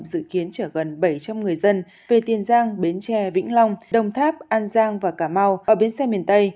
dự kiến chở gần bảy trăm linh người dân về tiền giang bến tre vĩnh long đồng tháp an giang và cà mau ở bến xe miền tây